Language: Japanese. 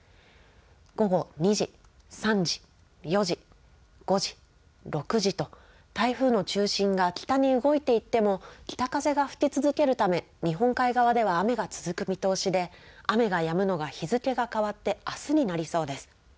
午後２時、３時、４時、５時、６時と、台風の中心が北に動いていっても、北風が吹き続けるため、日本海側では雨が続く見通しで、雨がやむのが日付が変わってあすになりそうです。